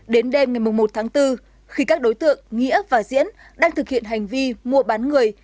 đến đêm ngày một tháng bốn khi các đối tượng nghĩa và diễn đang thực hiện hành vi mua bán người